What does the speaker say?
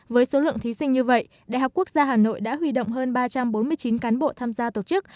với số lượng thí sinh như vậy đhqh đã huy động hơn ba trăm bốn mươi chín cán bộ tham gia tổ chức